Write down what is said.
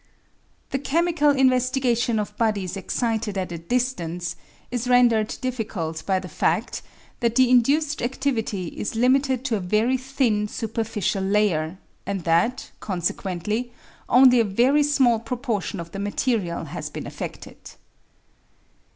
The chemical investigation of bodies excited at a dis tance is rendered difficult by the fad that the induced adivity is limited to a very thin superficial layer, and that. consequently, only a very small proportion of the material has been affeded.